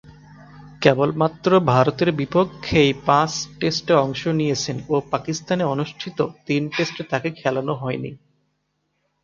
কেবলমাত্র ভারতের বিপক্ষেই পাঁচ টেস্টে অংশ নিয়েছেন ও পাকিস্তানে অনুষ্ঠিত তিন টেস্টে তাকে খেলানো হয়নি।